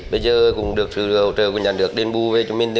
bây giờ cũng được sự hỗ trợ của nhà nước đền bù về cho mình